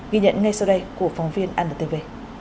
ghi nhận ngay sau đây của phóng viên anntv